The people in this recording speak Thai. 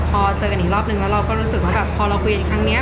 พอเจอกันอีกรอบนึงแล้วเราก็รู้สึกว่าพอเราคุยกันครั้งนี้